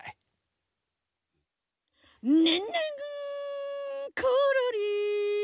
「ねんねんころり」